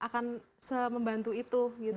kita bisa membantu itu